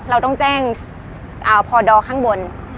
เราต้องแจ้งพอดอข้างบน